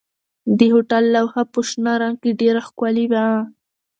د هوټل لوحه په شنه رنګ کې ډېره ښکلې وه.